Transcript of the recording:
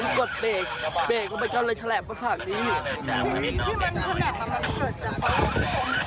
นี่มันเป็นใช่ครับคืออาทิตย์ครับ